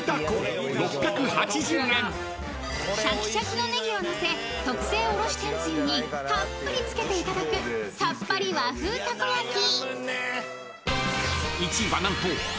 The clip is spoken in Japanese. ［シャキシャキのネギをのせ特製おろし天つゆにたっぷりつけて頂くさっぱり和風たこ焼き］